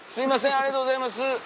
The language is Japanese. ありがとうございます。